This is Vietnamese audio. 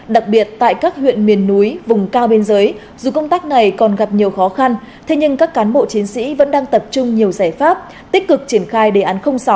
đặc biệt tại các huyện miền núi vùng cao biên giới dù công tác này còn gặp nhiều khó khăn thế nhưng các cán bộ chiến sĩ vẫn đang tập trung nhiều giải pháp tích cực triển khai đề án sáu